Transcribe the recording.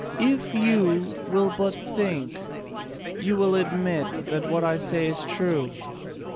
If you will but think, you will admit that what I say is true.